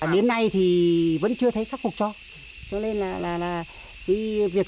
đến nay thì vẫn chưa thấy khắc phục cho cho nên là việc chăn ngôi của bà con là nó cũng rất nguy hiểm